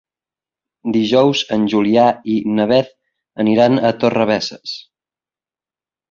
Dijous en Julià i na Beth aniran a Torrebesses.